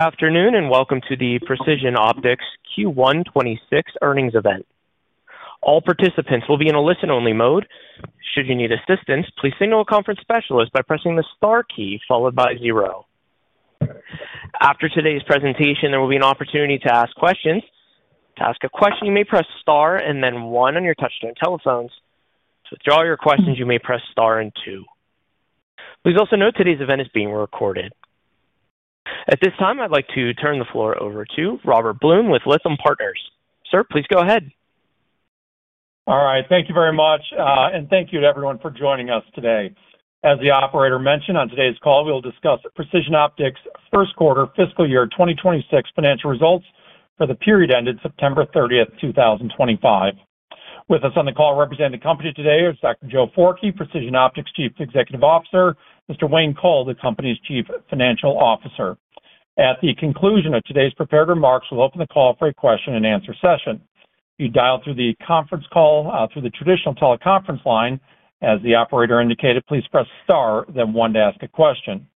Afternoon, and welcome to the Precision Optics Q1 2026 earnings event. All participants will be in a listen-only mode. Should you need assistance, please signal a conference specialist by pressing the star key followed by zero. After today's presentation, there will be an opportunity to ask questions. To ask a question, you may press star and then one on your touchscreen telephones. To withdraw your questions, you may press star and two. Please also note today's event is being recorded. At this time, I'd like to turn the floor over to Robert Blum with Lytham Partners. Sir, please go ahead. All right. Thank you very much, and thank you to everyone for joining us today. As the operator mentioned, on today's call, we'll discuss Precision Optics' first quarter, fiscal year 2026 financial results for the period ended September 30th, 2025. With us on the call representing the company today is Dr. Joe Forkey, Precision Optics Chief Executive Officer, Mr. Wayne Coll, the company's Chief Financial Officer. At the conclusion of today's prepared remarks, we'll open the call for a question-and-answer session. If you dialed through the conference call through the traditional teleconference line, as the operator indicated, please press star, then one to ask a question.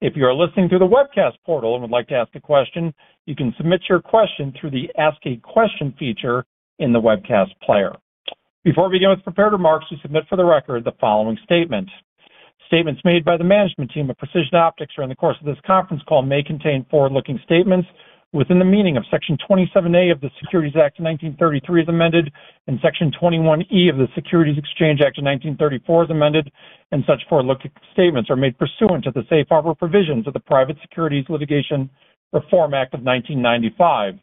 If you are listening through the webcast portal and would like to ask a question, you can submit your question through the Ask a Question feature in the webcast player. Before we begin with prepared remarks, we submit for the record the following statement. Statements made by the management team of Precision Optics during the course of this conference call may contain forward-looking statements within the meaning of Section 27A of the Securities Act of 1933 as amended, and Section 21E of the Securities Exchange Act of 1934 as amended. Such forward-looking statements are made pursuant to the safe harbor provisions of the Private Securities Litigation Reform Act of 1995.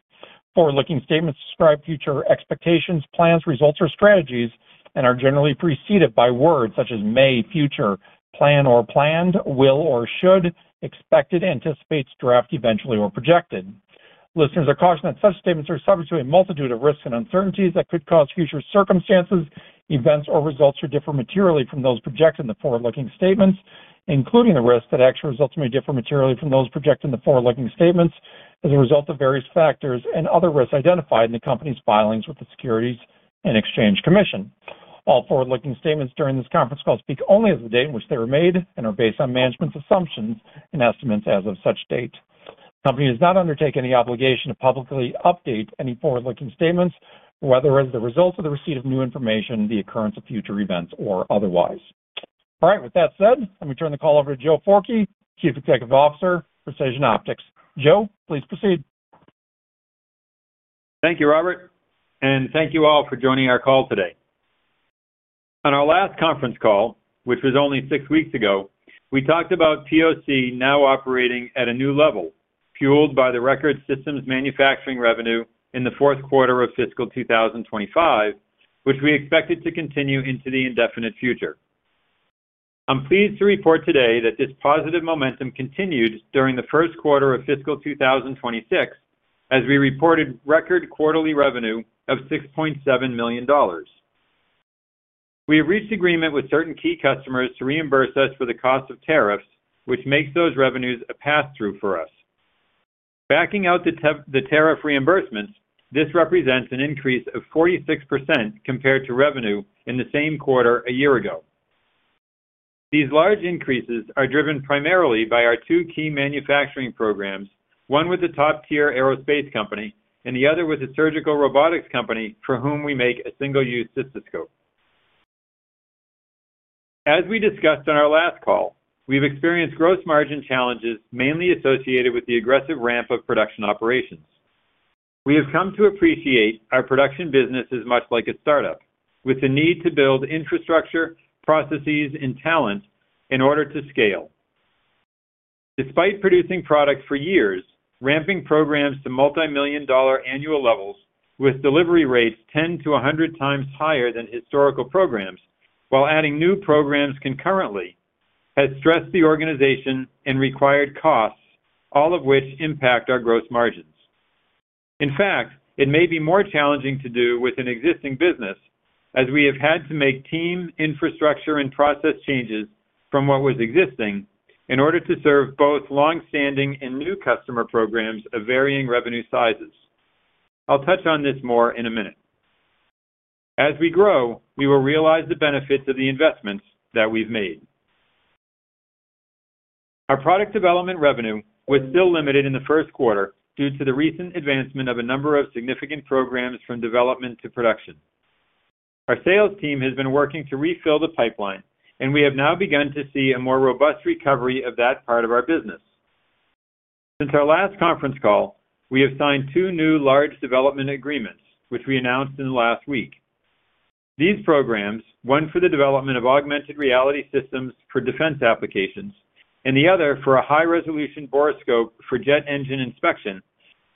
Forward-looking statements describe future expectations, plans, results, or strategies, and are generally preceded by words such as may, future, plan or planned, will or should, expected, anticipates, draft eventually, or projected. Listeners are cautioned that such statements are subject to a multitude of risks and uncertainties that could cause future circumstances, events, or results to differ materially from those projected in the forward-looking statements, including the risk that actual results may differ materially from those projected in the forward-looking statements as a result of various factors and other risks identified in the company's filings with the Securities and Exchange Commission. All forward-looking statements during this conference call speak only as the date in which they were made and are based on management's assumptions and estimates as of such date. The company does not undertake any obligation to publicly update any forward-looking statements, whether as the result of the receipt of new information, the occurrence of future events, or otherwise. All right. With that said, let me turn the call over to Joe Forkey, Chief Executive Officer for Precision Optics. Joe, please proceed. Thank you, Robert, and thank you all for joining our call today. On our last conference call, which was only six weeks ago, we talked about POC now operating at a new level, fueled by the record systems manufacturing revenue in the fourth quarter of fiscal 2025, which we expected to continue into the indefinite future. I'm pleased to report today that this positive momentum continued during the first quarter of fiscal 2026 as we reported record quarterly revenue of $6.7 million. We have reached agreement with certain key customers to reimburse us for the cost of tariffs, which makes those revenues a pass-through for us. Backing out the tariff reimbursements, this represents an increase of 46% compared to revenue in the same quarter a year ago. These large increases are driven primarily by our two key manufacturing programs, one with a top-tier aerospace company and the other with a surgical robotics company for whom we make a single-use cystoscope. As we discussed on our last call, we've experienced gross margin challenges mainly associated with the aggressive ramp of production operations. We have come to appreciate our production business is much like a startup, with the need to build infrastructure, processes, and talent in order to scale. Despite producing products for years, ramping programs to multi-million dollar annual levels with delivery rates 10-100 times higher than historical programs, while adding new programs concurrently, has stressed the organization and required costs, all of which impact our gross margins. In fact, it may be more challenging to do with an existing business as we have had to make team, infrastructure, and process changes from what was existing in order to serve both long-standing and new customer programs of varying revenue sizes. I'll touch on this more in a minute. As we grow, we will realize the benefits of the investments that we've made. Our product development revenue was still limited in the first quarter due to the recent advancement of a number of significant programs from development to production. Our sales team has been working to refill the pipeline, and we have now begun to see a more robust recovery of that part of our business. Since our last conference call, we have signed two new large development agreements, which we announced in the last week. These programs, one for the development of augmented reality systems for defense applications and the other for a high-resolution borescope for jet engine inspection,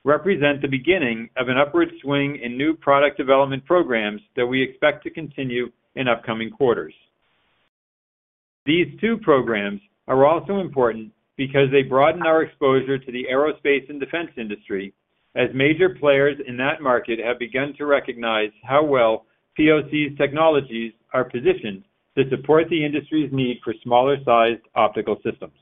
represent the beginning of an upward swing in new product development programs that we expect to continue in upcoming quarters. These two programs are also important because they broaden our exposure to the aerospace and defense industry as major players in that market have begun to recognize how well POC's technologies are positioned to support the industry's need for smaller-sized optical systems.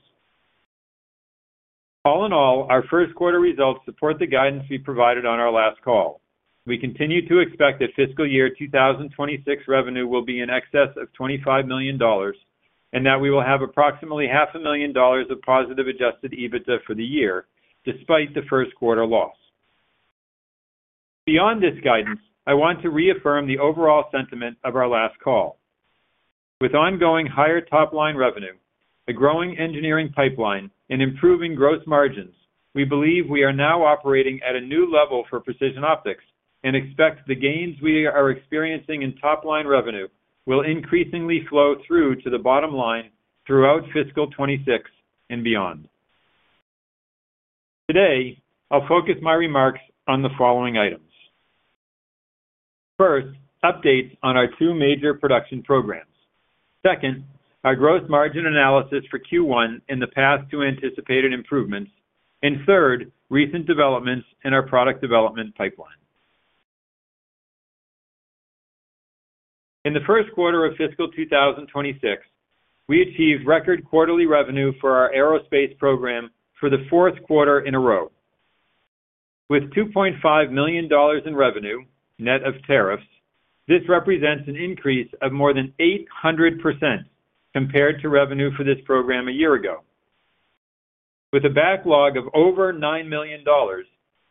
All in all, our first quarter results support the guidance we provided on our last call. We continue to expect that fiscal year 2026 revenue will be in excess of $25 million and that we will have approximately $500,000 of positive adjusted EBITDA for the year despite the first quarter loss. Beyond this guidance, I want to reaffirm the overall sentiment of our last call. With ongoing higher top-line revenue, a growing engineering pipeline, and improving gross margins, we believe we are now operating at a new level for Precision Optics and expect the gains we are experiencing in top-line revenue will increasingly flow through to the bottom line throughout fiscal 2026 and beyond. Today, I'll focus my remarks on the following items. First, updates on our two major production programs. Second, our gross margin analysis for Q1 and the path to anticipated improvements. Third, recent developments in our product development pipeline. In the first quarter of fiscal 2026, we achieved record quarterly revenue for our aerospace program for the fourth quarter in a row. With $2.5 million in revenue net of tariffs, this represents an increase of more than 800% compared to revenue for this program a year ago. With a backlog of over $9 million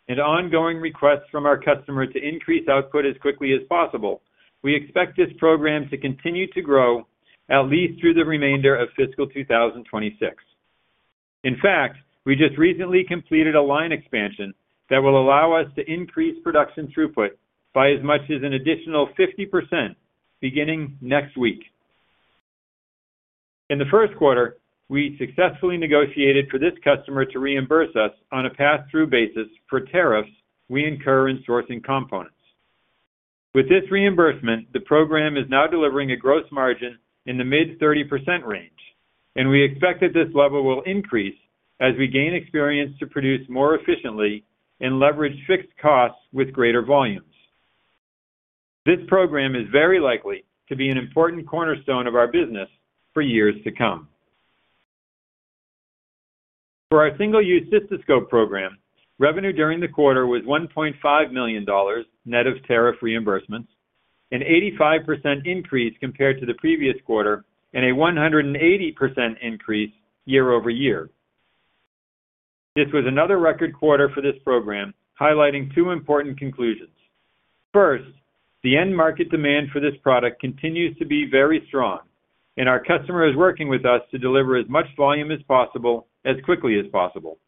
and ongoing requests from our customer to increase output as quickly as possible, we expect this program to continue to grow at least through the remainder of fiscal 2026. In fact, we just recently completed a line expansion that will allow us to increase production throughput by as much as an additional 50% beginning next week. In the first quarter, we successfully negotiated for this customer to reimburse us on a pass-through basis for tariffs we incur in sourcing components. With this reimbursement, the program is now delivering a gross margin in the mid-30% range, and we expect that this level will increase as we gain experience to produce more efficiently and leverage fixed costs with greater volumes. This program is very likely to be an important cornerstone of our business for years to come. For our single-use cystoscope program, revenue during the quarter was $1.5 million net of tariff reimbursements, an 85% increase compared to the previous quarter, and a 180% increase year over year. This was another record quarter for this program, highlighting two important conclusions. First, the end market demand for this product continues to be very strong, and our customer is working with us to deliver as much volume as possible as quickly as possible.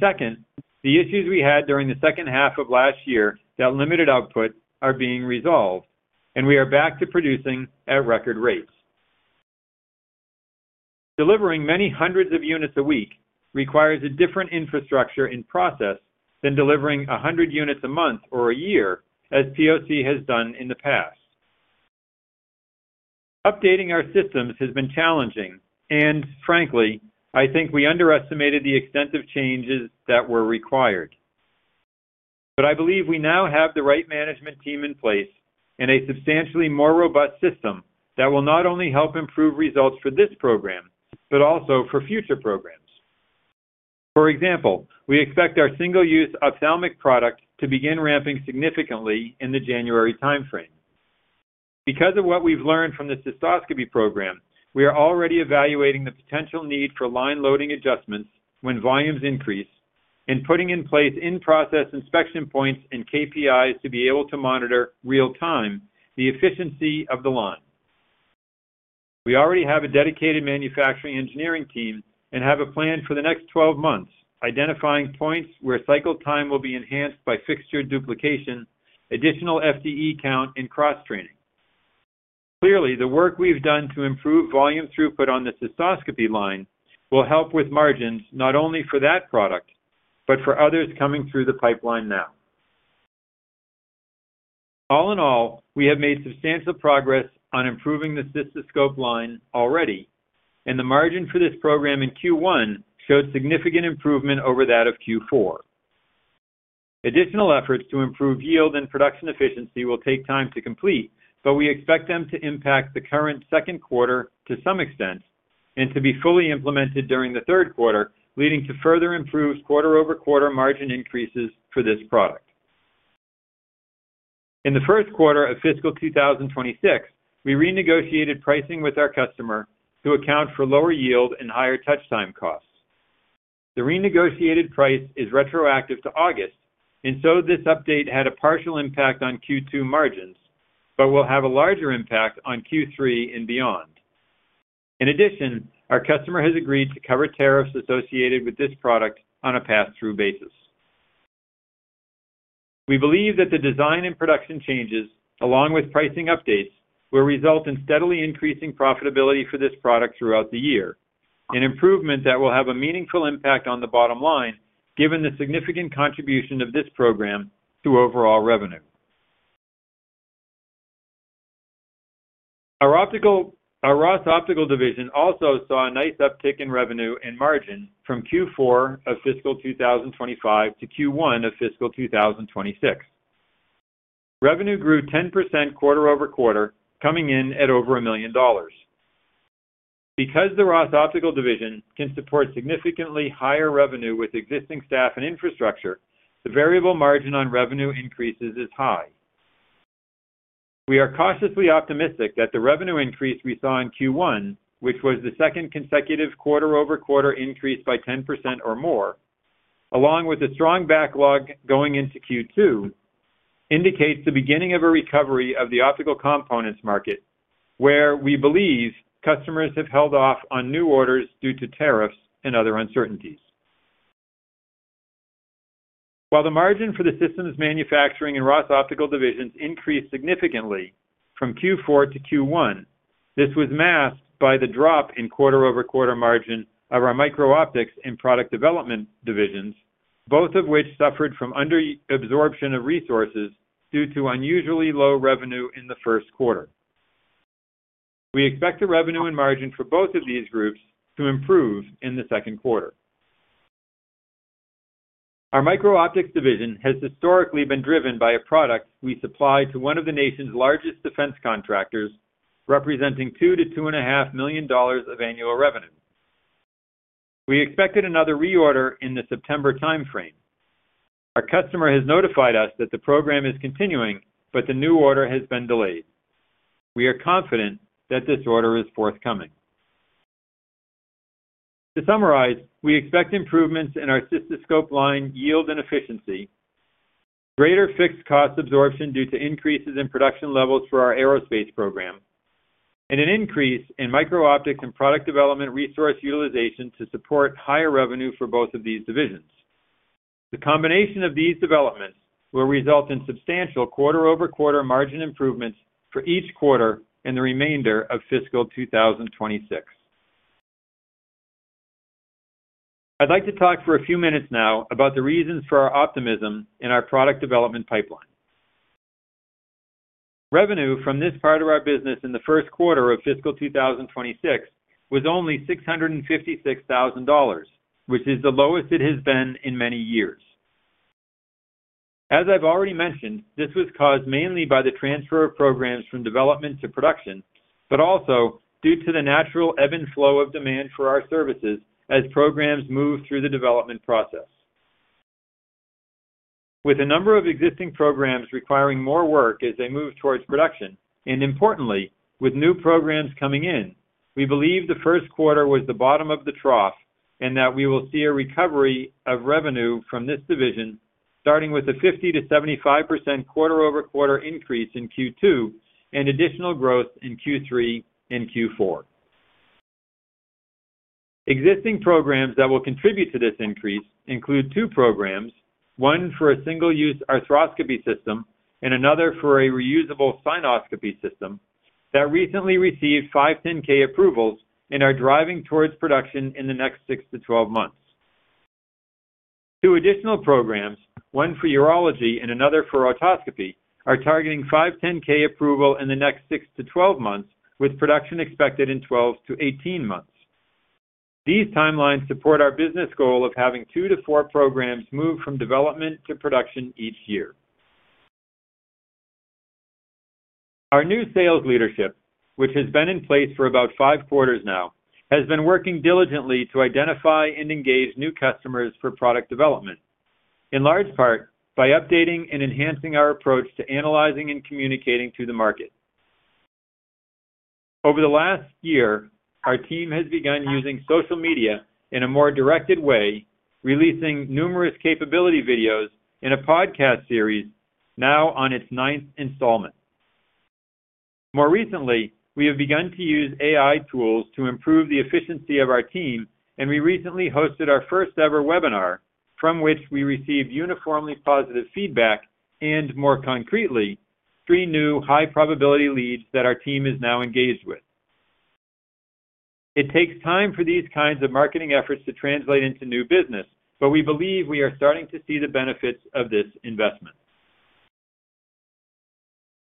Second, the issues we had during the second half of last year that limited output are being resolved, and we are back to producing at record rates. Delivering many hundreds of units a week requires a different infrastructure and process than delivering 100 units a month or a year as POC has done in the past. Updating our systems has been challenging, and frankly, I think we underestimated the extent of changes that were required. I believe we now have the right management team in place and a substantially more robust system that will not only help improve results for this program but also for future programs. For example, we expect our single-use ophthalmic product to begin ramping significantly in the January timeframe. Because of what we've learned from the cystoscopy program, we are already evaluating the potential need for line loading adjustments when volumes increase and putting in place in-process inspection points and KPIs to be able to monitor real-time the efficiency of the line. We already have a dedicated manufacturing engineering team and have a plan for the next 12 months identifying points where cycle time will be enhanced by fixture duplication, additional FTE count, and cross-training. Clearly, the work we've done to improve volume throughput on the cystoscopy line will help with margins not only for that product but for others coming through the pipeline now. All in all, we have made substantial progress on improving the cystoscope line already, and the margin for this program in Q1 showed significant improvement over that of Q4. Additional efforts to improve yield and production efficiency will take time to complete, but we expect them to impact the current second quarter to some extent and to be fully implemented during the third quarter, leading to further improved quarter-over-quarter margin increases for this product. In the first quarter of fiscal 2026, we renegotiated pricing with our customer to account for lower yield and higher touch time costs. The renegotiated price is retroactive to August, and so this update had a partial impact on Q2 margins but will have a larger impact on Q3 and beyond. In addition, our customer has agreed to cover tariffs associated with this product on a pass-through basis. We believe that the design and production changes, along with pricing updates, will result in steadily increasing profitability for this product throughout the year, an improvement that will have a meaningful impact on the bottom line given the significant contribution of this program to overall revenue. Our Ross Optical Division also saw a nice uptick in revenue and margin from Q4 of fiscal 2025 to Q1 of fiscal 2026. Revenue grew 10% quarter-over-quarter, coming in at over $1 million. Because the Ross Optical Division can support significantly higher revenue with existing staff and infrastructure, the variable margin on revenue increases is high. We are cautiously optimistic that the revenue increase we saw in Q1, which was the second consecutive quarter-over-quarter increase by 10% or more, along with a strong backlog going into Q2, indicates the beginning of a recovery of the optical components market where we believe customers have held off on new orders due to tariffs and other uncertainties. While the margin for the systems manufacturing in Ross Optical divisions increased significantly from Q4 to Q1, this was masked by the drop in quarter-over-quarter margin of our micro-optics and product development divisions, both of which suffered from underabsorption of resources due to unusually low revenue in the first quarter. We expect the revenue and margin for both of these groups to improve in the second quarter. Our micro-optics division has historically been driven by a product we supply to one of the nation's largest defense contractors, representing $2 million -$2.5 million of annual revenue. We expected another reorder in the September timeframe. Our customer has notified us that the program is continuing, but the new order has been delayed. We are confident that this order is forthcoming. To summarize, we expect improvements in our cystoscope line yield and efficiency, greater fixed cost absorption due to increases in production levels for our aerospace program, and an increase in micro-optics and product development resource utilization to support higher revenue for both of these divisions. The combination of these developments will result in substantial quarter-over-quarter margin improvements for each quarter and the remainder of fiscal 2026. I'd like to talk for a few minutes now about the reasons for our optimism in our product development pipeline. Revenue from this part of our business in the first quarter of fiscal 2026 was only $656,000, which is the lowest it has been in many years. As I've already mentioned, this was caused mainly by the transfer of programs from development to production, but also due to the natural ebb and flow of demand for our services as programs move through the development process. With a number of existing programs requiring more work as they move towards production, and importantly, with new programs coming in, we believe the first quarter was the bottom of the trough and that we will see a recovery of revenue from this division, starting with a 50%-75% quarter-over-quarter increase in Q2 and additional growth in Q3 and Q4. Existing programs that will contribute to this increase include two programs, one for a single-use arthroscopy system and another for a reusable synoscopy system that recently received 510(k) approvals and are driving towards production in the next 6-12 months. Two additional programs, one for urology and another for autoscopy, are targeting 510(k) approval in the next 6-12 months, with production expected in 12-18 months. These timelines support our business goal of having two to four programs move from development to production each year. Our new sales leadership, which has been in place for about five quarters now, has been working diligently to identify and engage new customers for product development, in large part by updating and enhancing our approach to analyzing and communicating to the market. Over the last year, our team has begun using social media in a more directed way, releasing numerous capability videos and a podcast series now on its ninth installment. More recently, we have begun to use AI tools to improve the efficiency of our team, and we recently hosted our first-ever webinar, from which we received uniformly positive feedback and, more concretely, three new high-probability leads that our team is now engaged with. It takes time for these kinds of marketing efforts to translate into new business, but we believe we are starting to see the benefits of this investment.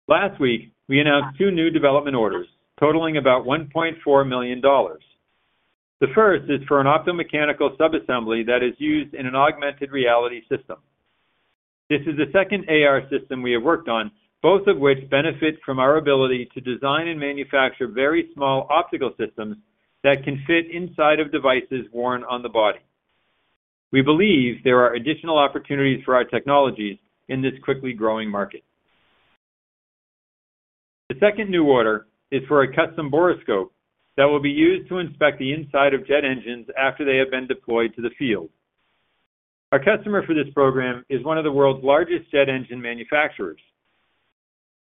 Last week, we announced two new development orders totaling about $1.4 million. The first is for an optomechanical subassembly that is used in an augmented reality system. This is the second AR system we have worked on, both of which benefit from our ability to design and manufacture very small optical systems that can fit inside of devices worn on the body. We believe there are additional opportunities for our technologies in this quickly growing market. The second new order is for a custom borescope that will be used to inspect the inside of jet engines after they have been deployed to the field. Our customer for this program is one of the world's largest jet engine manufacturers.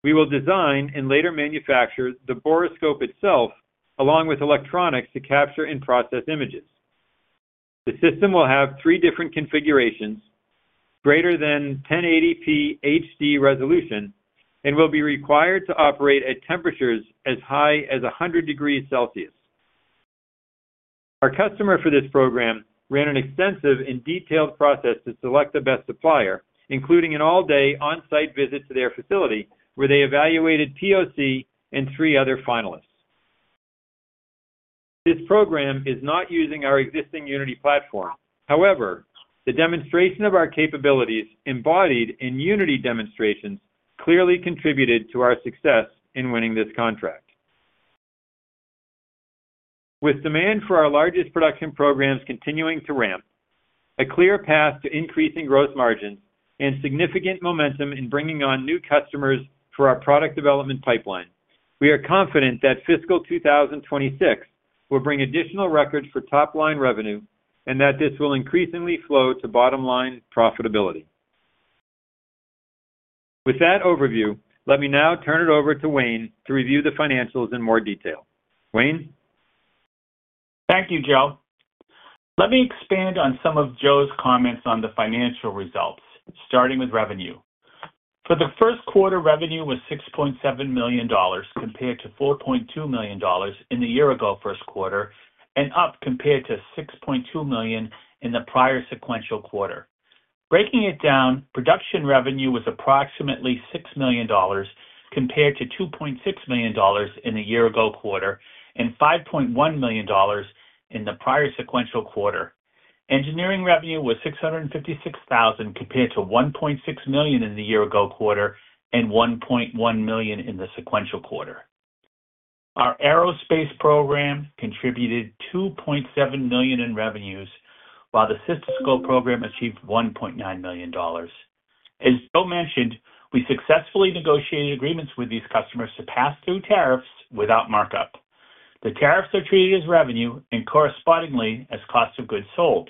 We will design and later manufacture the borescope itself, along with electronics to capture and process images. The system will have three different configurations, greater than 1080p HD resolution, and will be required to operate at temperatures as high as 100 degrees Celsius. Our customer for this program ran an extensive and detailed process to select the best supplier, including an all-day on-site visit to their facility where they evaluated POC and three other finalists. This program is not using our existing Unity platform. However, the demonstration of our capabilities embodied in Unity demonstrations clearly contributed to our success in winning this contract. With demand for our largest production programs continuing to ramp, a clear path to increasing gross margins, and significant momentum in bringing on new customers for our product development pipeline, we are confident that fiscal 2026 will bring additional records for top-line revenue and that this will increasingly flow to bottom-line profitability. With that overview, let me now turn it over to Wayne to review the financials in more detail. Wayne? Thank you, Joe. Let me expand on some of Joe's comments on the financial results, starting with revenue. For the first quarter, revenue was $6.7 million compared to $4.2 million in the year-ago first quarter and up compared to $6.2 million in the prior sequential quarter. Breaking it down, production revenue was approximately $6 million compared to $2.6 million in the year-ago quarter and $5.1 million in the prior sequential quarter. Engineering revenue was $656,000 compared to $1.6 million in the year-ago quarter and $1.1 million in the sequential quarter. Our aerospace program contributed $2.7 million in revenues, while the cystoscope program achieved $1.9 million. As Joe mentioned, we successfully negotiated agreements with these customers to pass through tariffs without markup. The tariffs are treated as revenue and correspondingly as cost of goods sold.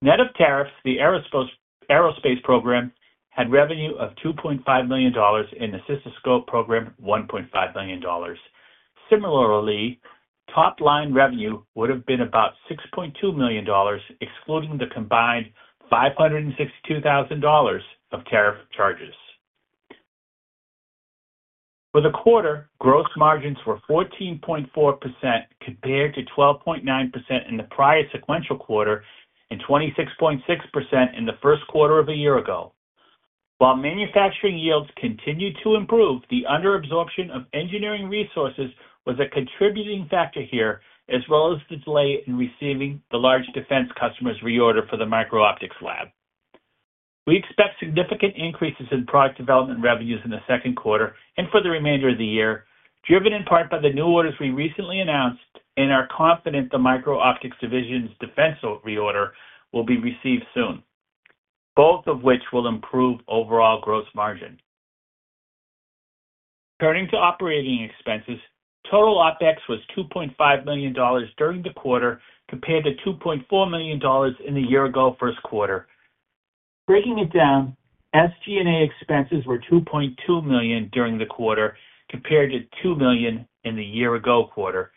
Net of tariffs, the aerospace program had revenue of $2.5 million and the cystoscope program $1.5 million. Similarly, top-line revenue would have been about $6.2 million excluding the combined $562,000 of tariff charges. For the quarter, gross margins were 14.4% compared to 12.9% in the prior sequential quarter and 26.6% in the first quarter of a year ago. While manufacturing yields continued to improve, the underabsorption of engineering resources was a contributing factor here, as well as the delay in receiving the large defense customer's reorder for the micro-optics lab. We expect significant increases in product development revenues in the second quarter and for the remainder of the year, driven in part by the new orders we recently announced, and are confident the micro-optics division's defense reorder will be received soon, both of which will improve overall gross margin. Turning to operating expenses, total OPEX was $2.5 million during the quarter compared to $2.4 million in the year-ago first quarter. Breaking it down, SG&A expenses were $2.2 million during the quarter compared to $2 million in the year-ago quarter,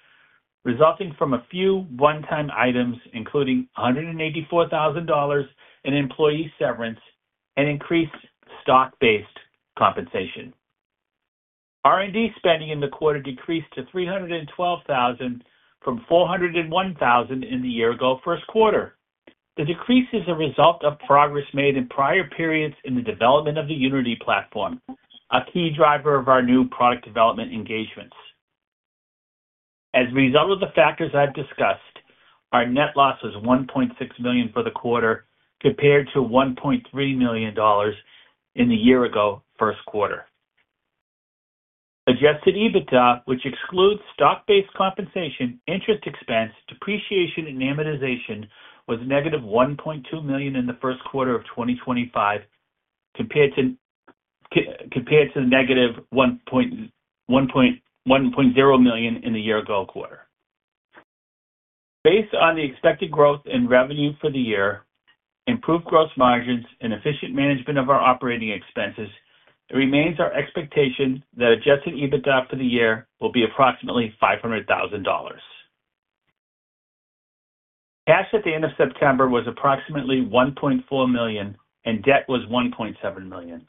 resulting from a few one-time items including $184,000 in employee severance and increased stock-based compensation. R&D spending in the quarter decreased to $312,000 from $401,000 in the year-ago first quarter. The decrease is a result of progress made in prior periods in the development of the Unity platform, a key driver of our new product development engagements. As a result of the factors I've discussed, our net loss was $1.6 million for the quarter compared to $1.3 million in the year-ago first quarter. Adjusted EBITDA, which excludes stock-based compensation, interest expense, depreciation, and amortization, was negative $1.2 million in the first quarter of 2025 compared to negative $1.0 million in the year-ago quarter. Based on the expected growth in revenue for the year, improved gross margins, and efficient management of our operating expenses, it remains our expectation that adjusted EBITDA for the year will be approximately $500,000. Cash at the end of September was approximately $1.4 million, and debt was $1.7 million.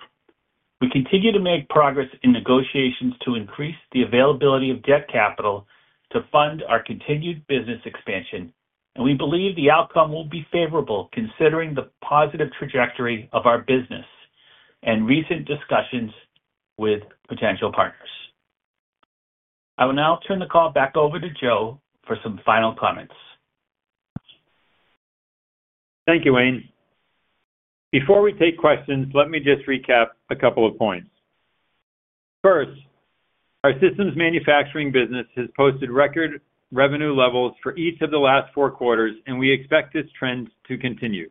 We continue to make progress in negotiations to increase the availability of debt capital to fund our continued business expansion, and we believe the outcome will be favorable considering the positive trajectory of our business and recent discussions with potential partners. I will now turn the call back over to Joe for some final comments. Thank you, Wayne. Before we take questions, let me just recap a couple of points. First, our systems manufacturing business has posted record revenue levels for each of the last four quarters, and we expect this trend to continue.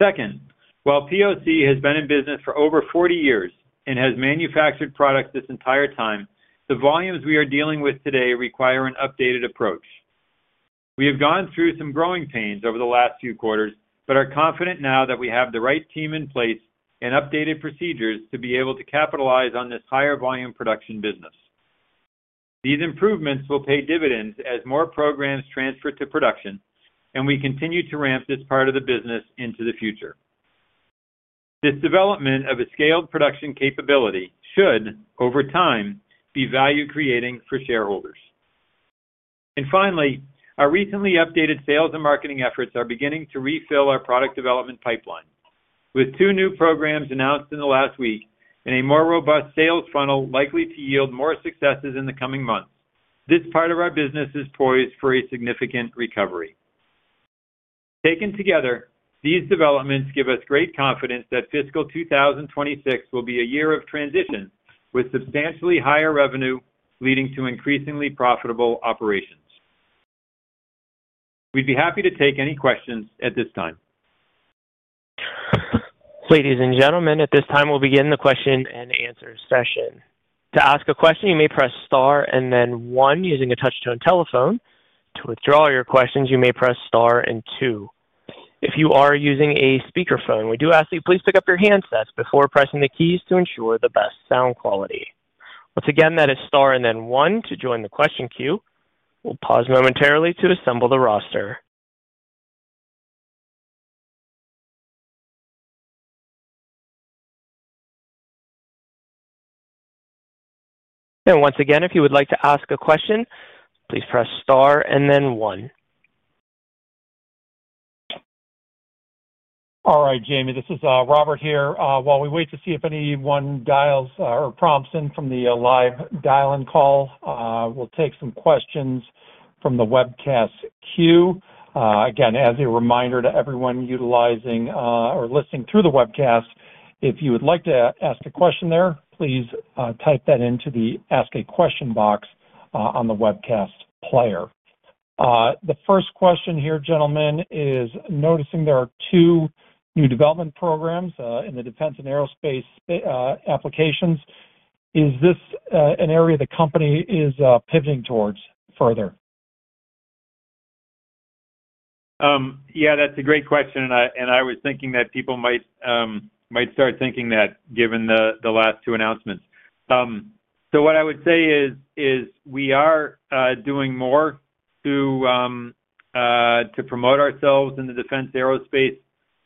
Second, while POC has been in business for over 40 years and has manufactured products this entire time, the volumes we are dealing with today require an updated approach. We have gone through some growing pains over the last few quarters, but are confident now that we have the right team in place and updated procedures to be able to capitalize on this higher volume production business. These improvements will pay dividends as more programs transfer to production, and we continue to ramp this part of the business into the future. This development of a scaled production capability should, over time, be value-creating for shareholders. Finally, our recently updated sales and marketing efforts are beginning to refill our product development pipeline. With two new programs announced in the last week and a more robust sales funnel likely to yield more successes in the coming months, this part of our business is poised for a significant recovery. Taken together, these developments give us great confidence that fiscal 2026 will be a year of transition with substantially higher revenue leading to increasingly profitable operations. We'd be happy to take any questions at this time. Ladies and gentlemen, at this time, we'll begin the question-and-answer session. To ask a question, you may press star and then one using a touch-tone telephone. To withdraw your questions, you may press star and two. If you are using a speakerphone, we do ask that you please pick up your handsets before pressing the keys to ensure the best sound quality. Once again, that is star and then one to join the question queue. We'll pause momentarily to assemble the roster. Once again, if you would like to ask a question, please press star and then one. All right, Jamie, this is Robert here. While we wait to see if anyone dials or prompts in from the live dial-in call, we'll take some questions from the webcast queue. Again, as a reminder to everyone utilizing or listening through the webcast, if you would like to ask a question there, please type that into the Ask a question box on the webcast player. The first question here, gentlemen, is noticing there are two new development programs in the defense and aerospace applications. Is this an area the company is pivoting towards further? Yeah, that's a great question, and I was thinking that people might start thinking that given the last two announcements. What I would say is we are doing more to promote ourselves in the defense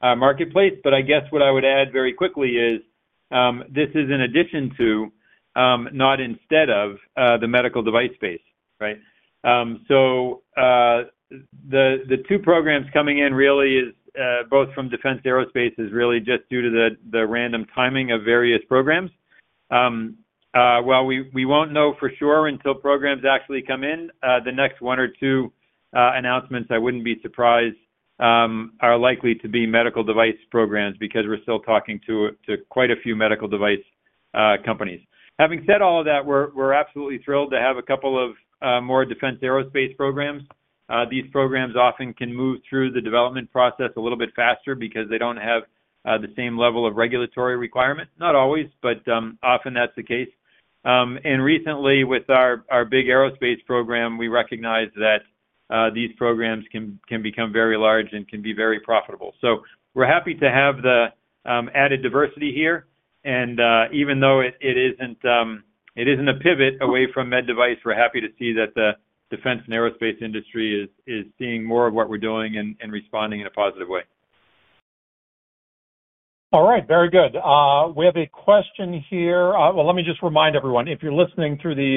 aerospace marketplace, but I guess what I would add very quickly is this is in addition to, not instead of, the medical device space, right? The two programs coming in really is both from defense aerospace is really just due to the random timing of various programs. While we won't know for sure until programs actually come in, the next one or two announcements, I wouldn't be surprised, are likely to be medical device programs because we're still talking to quite a few medical device companies. Having said all of that, we're absolutely thrilled to have a couple of more defense aerospace programs. These programs often can move through the development process a little bit faster because they don't have the same level of regulatory requirement. Not always, but often that's the case. Recently, with our big aerospace program, we recognize that these programs can become very large and can be very profitable. We are happy to have the added diversity here, and even though it is not a pivot away from med device, we are happy to see that the defense and aerospace industry is seeing more of what we are doing and responding in a positive way. All right, very good. We have a question here. Let me just remind everyone, if you are listening through the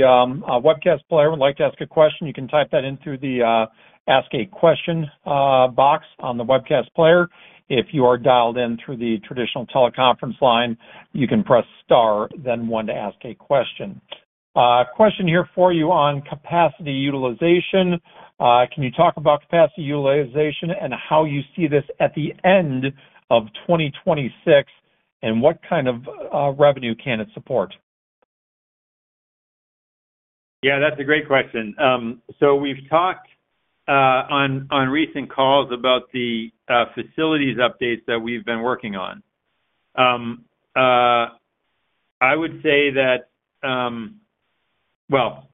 webcast player and would like to ask a question, you can type that into the Ask a question box on the webcast player. If you are dialed in through the traditional teleconference line, you can press star, then one to ask a question. Question here for you on capacity utilization. Can you talk about capacity utilization and how you see this at the end of 2026, and what kind of revenue can it support? Yeah, that's a great question. We've talked on recent calls about the facilities updates that we've been working on. I would say that,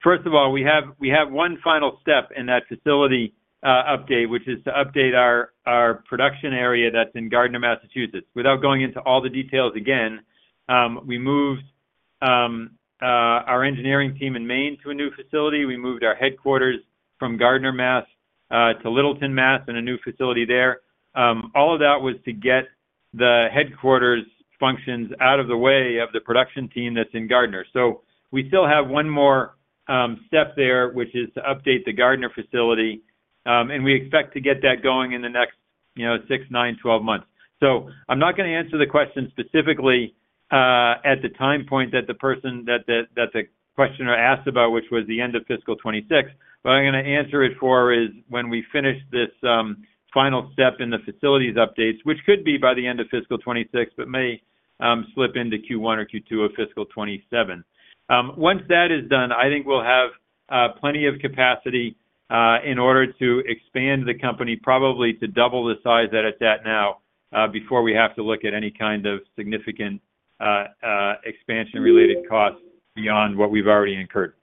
first of all, we have one final step in that facility update, which is to update our production area that's in Gardner, Massachusetts. Without going into all the details again, we moved our engineering team in Maine to a new facility. We moved our headquarters from Gardner, Massachusetts, to Littleton, Massachusetts, and a new facility there. All of that was to get the headquarters functions out of the way of the production team that's in Gardner. We still have one more step there, which is to update the Gardner facility, and we expect to get that going in the next 6, 9, 12 months. I'm not going to answer the question specifically at the time point that the questioner asked about, which was the end of fiscal 2026, but what I'm going to answer it for is when we finish this final step in the facilities updates, which could be by the end of fiscal 2026 but may slip into Q1 or Q2 of fiscal 2027. Once that is done, I think we'll have plenty of capacity in order to expand the company probably to double the size that it's at now before we have to look at any kind of significant expansion-related costs beyond what we've already incurred.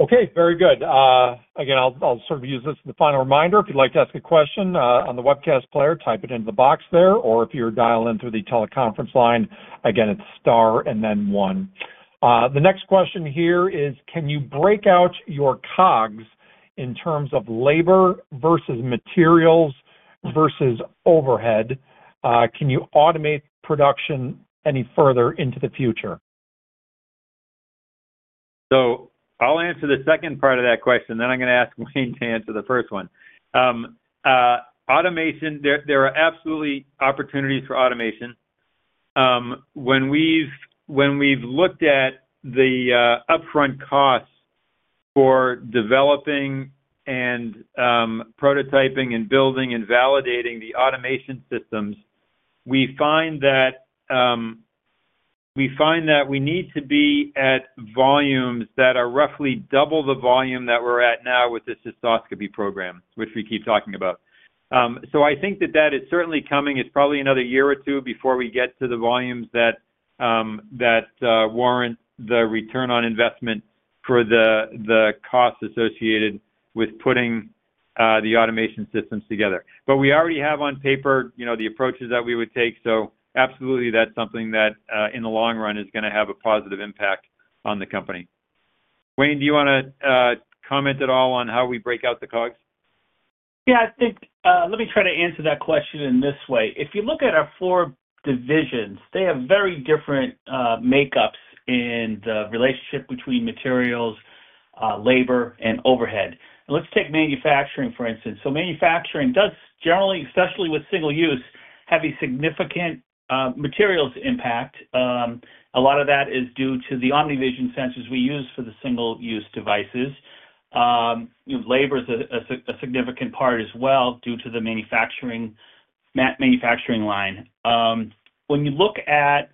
Okay, very good. Again, I'll sort of use this as the final reminder. If you'd like to ask a question on the webcast player, type it into the box there, or if you're dialed in through the teleconference line, again, it's star and then one. The next question here is, can you break out your COGS in terms of labor versus materials versus overhead? Can you automate production any further into the future? I'll answer the second part of that question, then I'm going to ask Wayne to answer the first one. Automation, there are absolutely opportunities for automation. When we've looked at the upfront costs for developing and prototyping and building and validating the automation systems, we find that we need to be at volumes that are roughly double the volume that we're at now with the cystoscopy program, which we keep talking about. I think that that is certainly coming. It's probably another year or two before we get to the volumes that warrant the return on investment for the cost associated with putting the automation systems together. But we already have on paper the approaches that we would take, so absolutely that's something that in the long run is going to have a positive impact on the company. Wayne, do you want to comment at all on how we break out the COGS? Yeah, I think let me try to answer that question in this way. If you look at our four divisions, they have very different makeups in the relationship between materials, labor, and overhead. Let's take manufacturing, for instance. Manufacturing does generally, especially with single-use, have a significant materials impact. A lot of that is due to the OmniVision sensors we use for the single-use devices. Labor is a significant part as well due to the manufacturing line. When you look at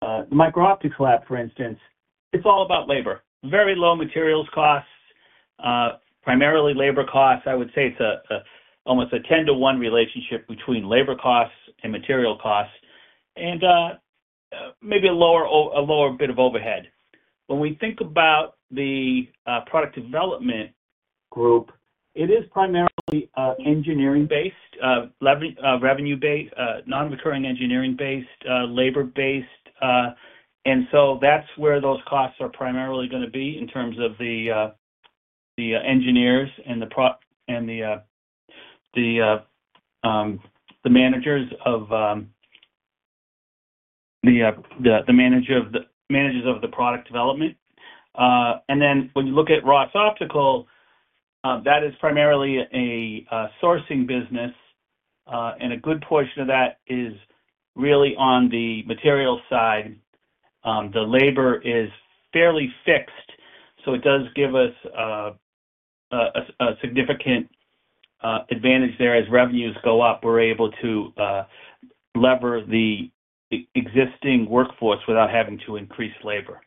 the Micro-optics Lab, for instance, it's all about labor. Very low materials costs, primarily labor costs. I would say it's almost a 10-to-1 relationship between labor costs and material costs and maybe a lower bit of overhead. When we think about the product development group, it is primarily engineering-based, revenue-based, non-recurring engineering-based, labor-based, and so that's where those costs are primarily going to be in terms of the engineers and the managers of the product development. When you look at Ross Optical, that is primarily a sourcing business, and a good portion of that is really on the materials side. The labor is fairly fixed, so it does give us a significant advantage there as revenues go up. We're able to lever the existing workforce without having to increase labor.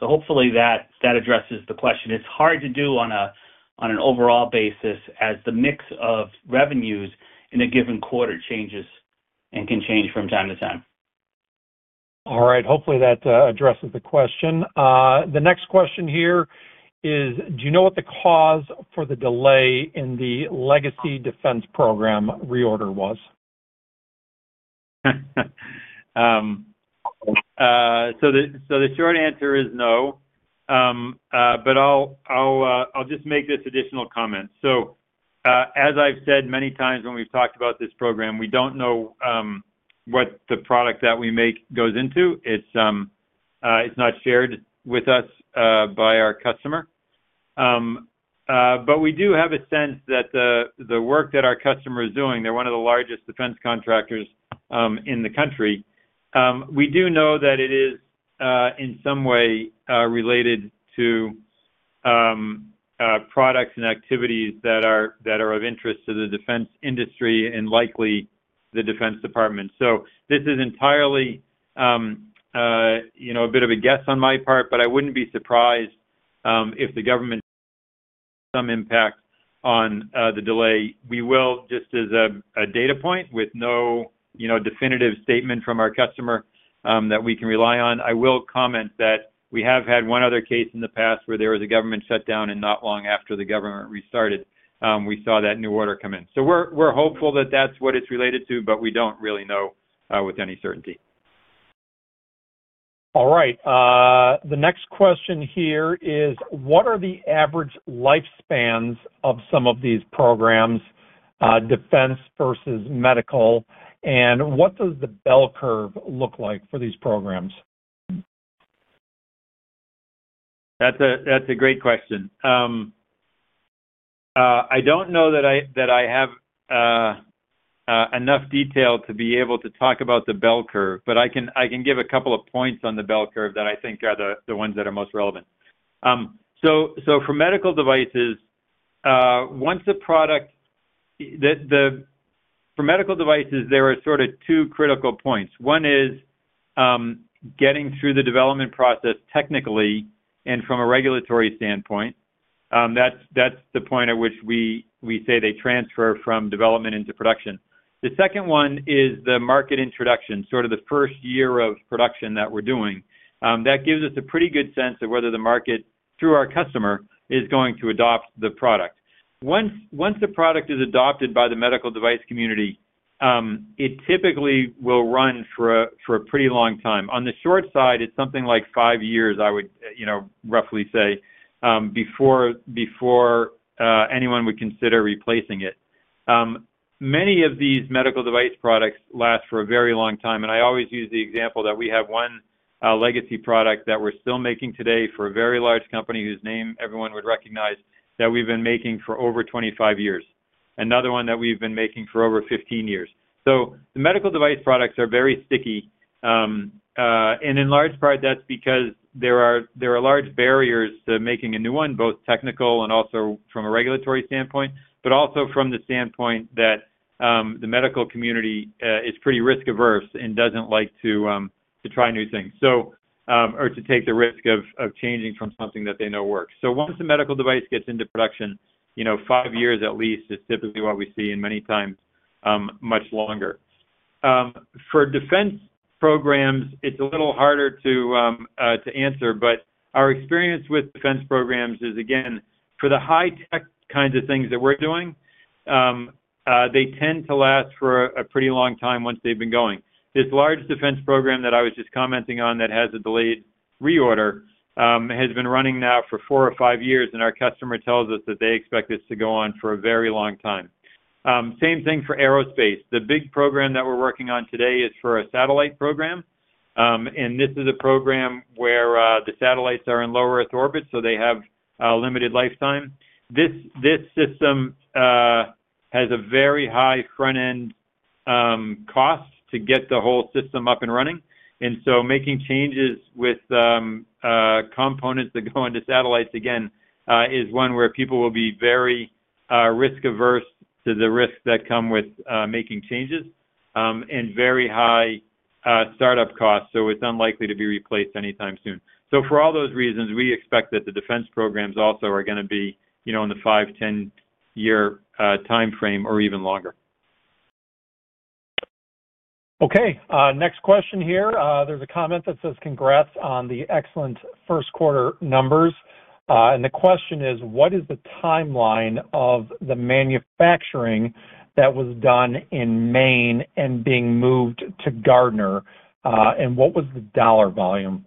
Hopefully that addresses the question. It's hard to do on an overall basis as the mix of revenues in a given quarter changes and can change from time to time. Hopefully that addresses the question. The next question here is, do you know what the cause for the delay in the legacy defense program reorder was? The short answer is no, but I'll just make this additional comment. As I've said many times when we've talked about this program, we don't know what the product that we make goes into. It's not shared with us by our customer. We do have a sense that the work that our customer is doing, they're one of the largest defense contractors in the country. We do know that it is in some way related to products and activities that are of interest to the defense industry and likely the defense department. This is entirely a bit of a guess on my part, but I would not be surprised if the government made some impact on the delay. Just as a data point with no definitive statement from our customer that we can rely on, I will comment that we have had one other case in the past where there was a government shutdown and not long after the government restarted, we saw that new order come in. We are hopeful that that is what it is related to, but we do not really know with any certainty. All right. The next question here is, what are the average lifespans of some of these programs, defense versus medical, and what does the bell curve look like for these programs? That's a great question. I don't know that I have enough detail to be able to talk about the bell curve, but I can give a couple of points on the bell curve that I think are the ones that are most relevant. For medical devices, once a product for medical devices, there are sort of two critical points. One is getting through the development process technically and from a regulatory standpoint. That's the point at which we say they transfer from development into production. The second one is the market introduction, sort of the first year of production that we're doing. That gives us a pretty good sense of whether the market, through our customer, is going to adopt the product. Once the product is adopted by the medical device community, it typically will run for a pretty long time. On the short side, it's something like five years, I would roughly say, before anyone would consider replacing it. Many of these medical device products last for a very long time, and I always use the example that we have one legacy product that we're still making today for a very large company whose name everyone would recognize that we've been making for over 25 years. Another one that we've been making for over 15 years. The medical device products are very sticky, and in large part, that's because there are large barriers to making a new one, both technical and also from a regulatory standpoint, but also from the standpoint that the medical community is pretty risk-averse and doesn't like to try new things or to take the risk of changing from something that they know works. Once a medical device gets into production, five years at least is typically what we see, and many times much longer. For defense programs, it's a little harder to answer, but our experience with defense programs is, again, for the high-tech kinds of things that we're doing, they tend to last for a pretty long time once they've been going. This large defense program that I was just commenting on that has a delayed reorder has been running now for four or five years, and our customer tells us that they expect this to go on for a very long time. Same thing for aerospace. The big program that we're working on today is for a satellite program, and this is a program where the satellites are in low Earth orbit, so they have a limited lifetime. This system has a very high front-end cost to get the whole system up and running, and making changes with components that go into satellites, again, is one where people will be very risk-averse to the risks that come with making changes and very high startup costs, so it's unlikely to be replaced anytime soon. For all those reasons, we expect that the defense programs also are going to be in the 5-10 year timeframe or even longer. Okay, next question here. There's a comment that says, "Congrats on the excellent first quarter numbers." The question is, what is the timeline of the manufacturing that was done in Maine and being moved to Gardner, and what was the dollar volume?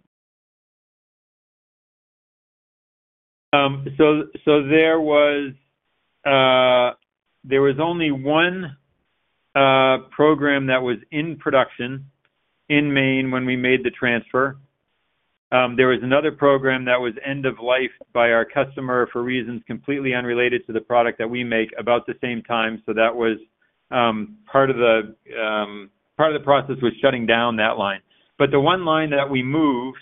There was only one program that was in production in Maine when we made the transfer. There was another program that was end-of-life by our customer for reasons completely unrelated to the product that we make about the same time, so that was part of the process was shutting down that line. The one line that we moved,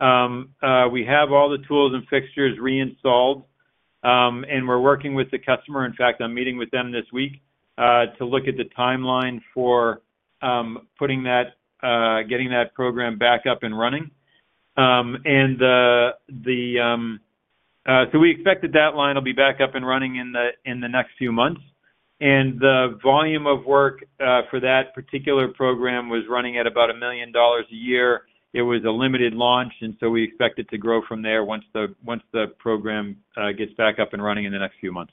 we have all the tools and fixtures reinstalled, and we're working with the customer. In fact, I'm meeting with them this week to look at the timeline for getting that program back up and running. We expect that that line will be back up and running in the next few months, and the volume of work for that particular program was running at about $1 million a year. It was a limited launch, and we expect it to grow from there once the program gets back up and running in the next few months.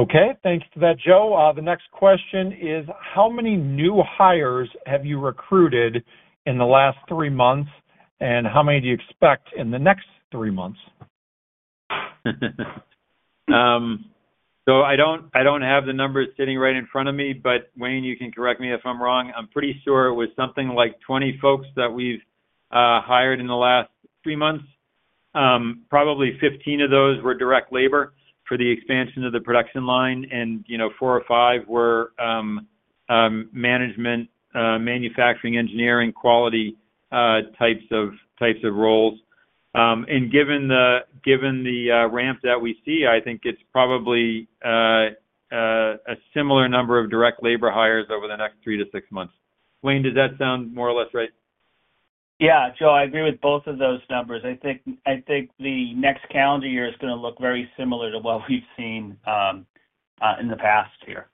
Okay, thanks for that, Joe. The next question is, how many new hires have you recruited in the last three months, and how many do you expect in the next three months? I don't have the numbers sitting right in front of me, but Wayne, you can correct me if I'm wrong. I'm pretty sure it was something like 20 folks that we've hired in the last three months. Probably 15 of those were direct labor for the expansion of the production line, and four or five were management, manufacturing, engineering, quality types of roles. Given the ramp that we see, I think it's probably a similar number of direct labor hires over the next three to six months. Wayne, does that sound more or less right? Yeah, Joe, I agree with both of those numbers. I think the next calendar year is going to look very similar to what we've seen in the past here.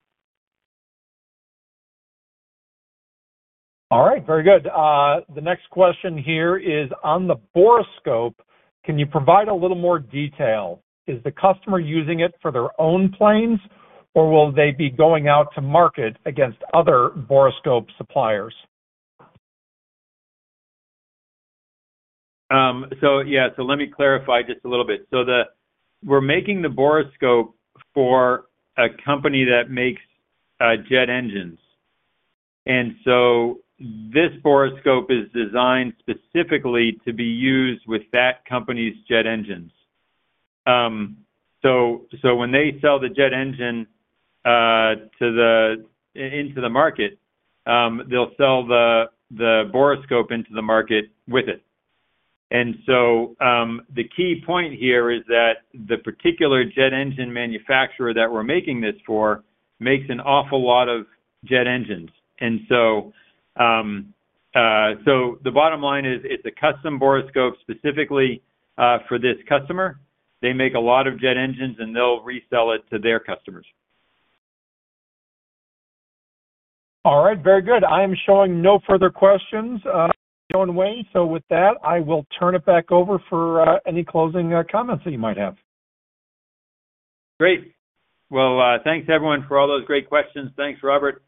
All right, very good. The next question here is, on the Borescope, can you provide a little more detail? Is the customer using it for their own planes, or will they be going out to market against other Borescope suppliers? Yeah, let me clarify just a little bit. We're making the Borescope for a company that makes jet engines, and this Borescope is designed specifically to be used with that company's jet engines. When they sell the jet engine into the market, they'll sell the Borescope into the market with it. The key point here is that the particular jet engine manufacturer that we're making this for makes an awful lot of jet engines. The bottom line is it's a custom Borescope specifically for this customer. They make a lot of jet engines, and they'll resell it to their customers. All right, very good. I am showing no further questions, Joe and Wayne. With that, I will turn it back over for any closing comments that you might have. Great. Thanks everyone for all those great questions. Thanks, Robert.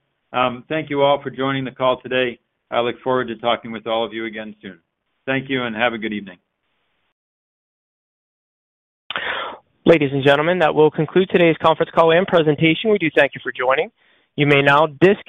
Thank you all for joining the call today. I look forward to talking with all of you again soon. Thank you, and have a good evening. Ladies and gentlemen, that will conclude today's conference call and presentation. We do thank you for joining. You may now disconnect.